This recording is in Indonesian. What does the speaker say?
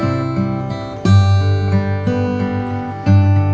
terima kasih ya mas